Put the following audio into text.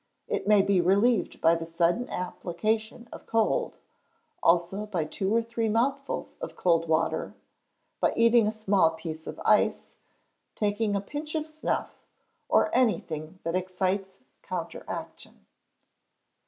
It may be relieved by the sudden application of cold, also by two or three mouthfuls of cold water, by eating a small piece of ice, taking a pinch of snuff, or anything that excites counteraction.